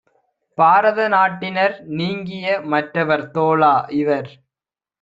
பாரத நாட்டினர் நீங்கிய மற்றவர் தோழா - இவர்